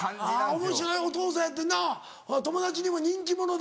おもしろいお父さんやってんな友達にも人気者だ。